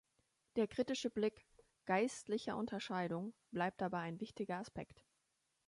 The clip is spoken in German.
Der kritische Blick „geistlicher Unterscheidung“ bleibt dabei ein wichtiger Aspekt.